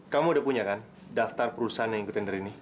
kamu sudah punya kan daftar perusahaan yang ikut tender ini